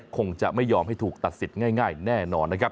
คงจะไม่ยอมให้ถูกตัดสิทธิ์ง่ายแน่นอนนะครับ